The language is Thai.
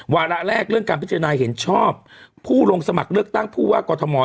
วาระแรกเรื่องการพิจารณาเห็นชอบผู้ลงสมัครเลือกตั้งผู้ว่ากอทม